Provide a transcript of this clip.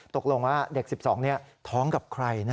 ตกลงว่าเด็ก๑๒เนี่ยท้องกับใครนะ